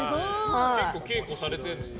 結構、稽古されてるんですね。